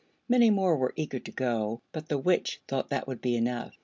Many more were eager to go, but the Witch thought that would be enough.